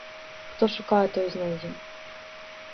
Хто шукае, той знойдзе.